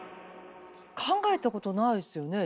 考えたことないですよね